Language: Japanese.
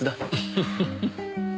フフフフ。